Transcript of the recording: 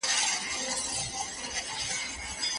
الله تعالی موږ ته د يوسف قصه ښه په تفصيل سره بيان کړې ده.